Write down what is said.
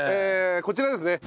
こちらですね